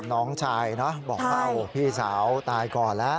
น้องชายนะบอกว่าพี่สาวตายก่อนแล้ว